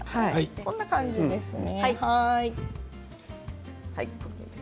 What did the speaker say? こんな感じですね。